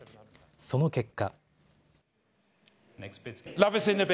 その結果。